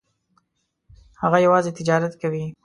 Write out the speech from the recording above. هغه یوازې تجارت کوي.